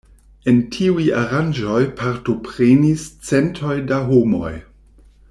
En tiuj aranĝoj partoprenis centoj da homoj.